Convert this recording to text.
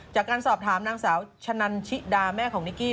จากการสอบถามนางสาวชะนันชิดาแม่ของนิกกี้